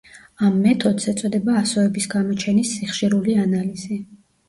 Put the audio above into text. ამ მეთოდს ეწოდება ასოების გამოჩენის სიხშირული ანალიზი.